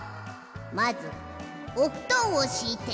まずおふとんをしいて。